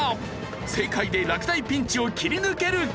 正解で落第ピンチを切り抜けるか！？